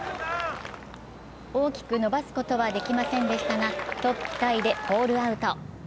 大きく伸ばすことはできませんでしたが、トップタイでホールアウト。